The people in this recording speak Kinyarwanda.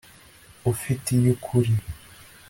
ufite iyukuri